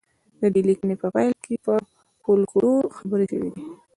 د دې لیکنې په پیل کې په فولکلور خبرې شوې دي